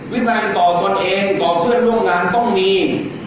วินัยต่อตนเองต่อเพื่อนร่วมงานต้องมี